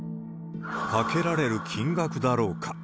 賭けられる金額だろうか。